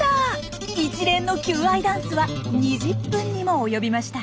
一連の求愛ダンスは２０分にも及びました。